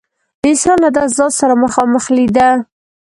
انسان له داسې ذات سره مخامخ لیده.